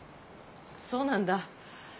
そうなんだ。